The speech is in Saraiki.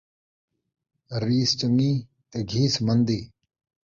ریس چن٘ڳی تے گھیس من٘دی